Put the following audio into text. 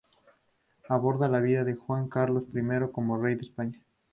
Aborda la vida de Juan Carlos I como rey de España.